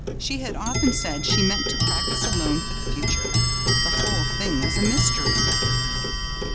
She had often said she meant to practise alone for the future. The whole thing was a mystery.